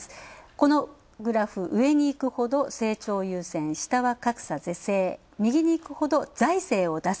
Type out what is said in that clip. このグラフ、上にいくほど成長優先、下は格差是正右にいくほど財政を出す。